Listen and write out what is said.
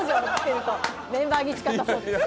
メンバーに誓ったそうです。